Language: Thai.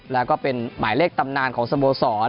แล้วก็เป็นหมายเลขตำนานของสโมสร